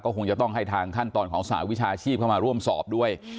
คงจะต้องให้ทางขั้นตอนของสหวิชาชีพเข้ามาร่วมสอบด้วย